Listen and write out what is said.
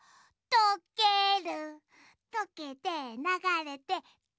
「とける」